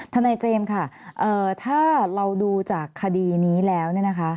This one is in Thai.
ถ้าในเจมส์ค่ะถ้าเราดูจากคดีนี้แล้ว